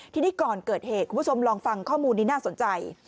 ทีนี้ก่อนเกิดเหตุคุณผู้ชมลองฟังข้อมูลนี้น่าสนใจ